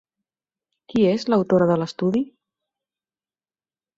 Qui és l'autora de l'estudi?